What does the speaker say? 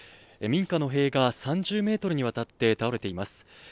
民家の塀が３０メートルにわたって倒れています。